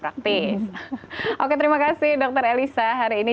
praktis oke terima kasih dokter elisa hari ini